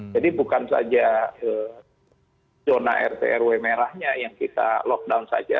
jadi bukan saja zona rt rw merahnya yang kita lockdown saja